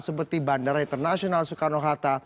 seperti bandara internasional soekarno hatta